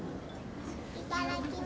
いただきます。